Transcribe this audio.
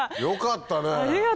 よかったね。